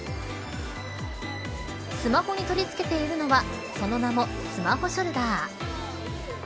スマホに取り付けているのはその名もスマホショルダー。